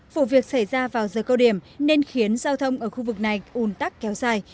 vụ việc xảy ra vào giờ cao điểm nên khiến giao thông ở khu vực này ùn tắc kéo dài